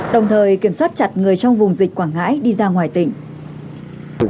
đồng thời kiểm soát chặt người trong vùng dịch quảng ngãi đi ra ngoài tỉnh